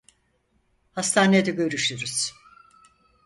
Hastanede görüşürüz.